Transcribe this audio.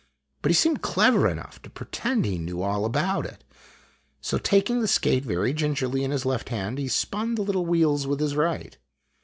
But he seemed clever enough to pretend he knew all about it. So, taking the skate very gingerly in his left hand, he spun the little wheels with his right.